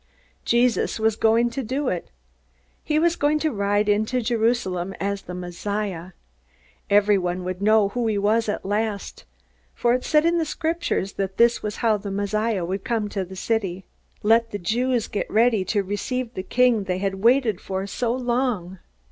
Jesus was going to do it! He was going to ride into Jerusalem as the Messiah! Everyone would know who he was at last, for it said in the Scriptures that this was how the Messiah would come to the city! Let the Jews get ready to receive the King they had waited for so long!